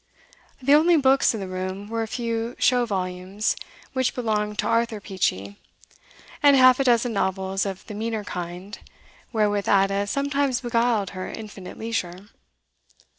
The only books in the room were a few show volumes, which belonged to Arthur Peachey, and half a dozen novels of the meaner kind, wherewith Ada sometimes beguiled her infinite leisure.